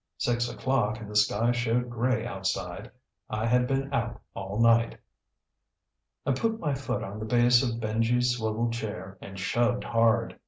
Six o'clock and the sky showed gray outside. I had been out all night. I put my foot on the base of Benji's swivel chair and shoved hard.